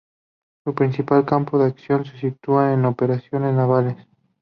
Su principal campo de acción se situaba en operaciones navales.